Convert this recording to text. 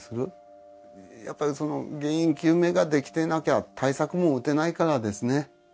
やっぱりその原因究明ができていなきゃ対策も打てないからですね。